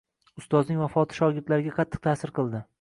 Ustozning vafoti shogirdlariga qattiq ta’sir qildi.